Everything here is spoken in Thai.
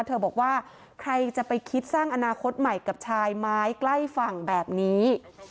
บอกว่าใครจะไปคิดสร้างอนาคตใหม่กับชายไม้ใกล้ฝั่งแบบนี้